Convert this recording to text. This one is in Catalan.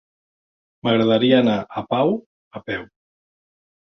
M'agradaria anar a Pau a peu.